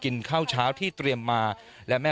หลังจากผู้ชมไปฟังเสียงแม่น้องชมไป